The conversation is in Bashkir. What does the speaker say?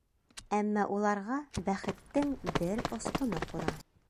Әммә уларға бәхеттең бер осҡоно ҡуна.